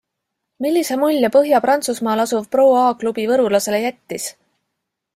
Millise mulje Põhja-Prantsusmaal asuv Pro A klubi võrulasele jättis?